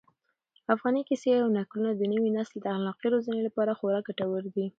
افغاني کيسې او نکلونه د نوي نسل د اخلاقي روزنې لپاره خورا ګټور دي.